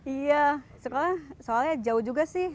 iya sekolah soalnya jauh juga sih